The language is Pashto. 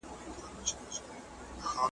رسمي لباس پاک او منظم وي.